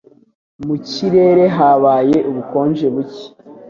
Mu kirere habaye ubukonje buke.